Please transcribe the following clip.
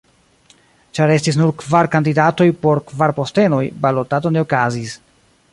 Ĉar estis nur kvar kandidatoj por kvar postenoj, balotado ne okazis.